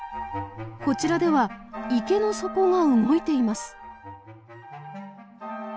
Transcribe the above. こちらでは池の底が動いています。